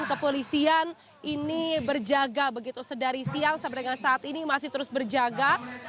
untuk polisian ini berjaga begitu sedari siang sama dengan saat ini masih terus berjaga